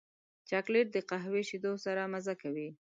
چاکلېټ د قهوې شیدو سره مزه کوي.